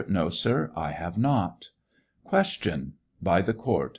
No, sir ; I have not. Q. (By the court, p.